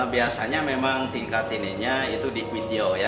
biasanya memang tingkat ini itu di kue tiaw ya